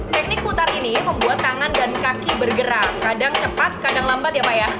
teknik putar ini membuat tangan dan kaki bergerak kadang cepat kadang lambat ya pak ya